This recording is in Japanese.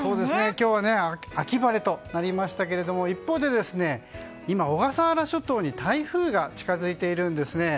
今日は秋晴れとなりましたが一方で今、小笠原諸島に台風が近づいているんですね。